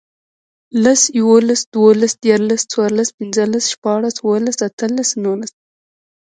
لس, یوولس, دوولس, دیرلس، څوارلس, پنځلس, شپاړس, اووهلس, اتهلس, نورلس